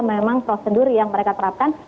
memang prosedur yang mereka terapkan